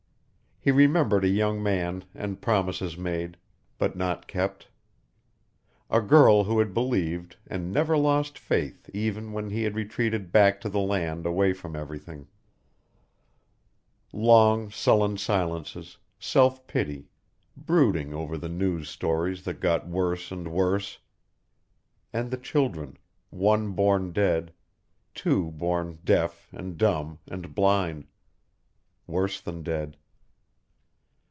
He remembered a young man and promises made, but not kept; a girl who had believed and never lost faith even when he had retreated back to the land away from everything. Long sullen silences, self pity, brooding over the news stories that got worse and worse. And the children one born dead two born deaf and dumb and blind. _Worse than dead.